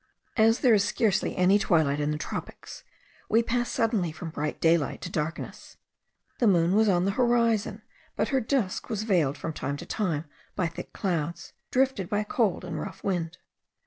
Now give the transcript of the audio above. As there is scarcely any twilight in the tropics, we pass suddenly from bright daylight to darkness. The moon was on the horizon; but her disk was veiled from time to time by thick clouds, drifted by a cold and rough wind.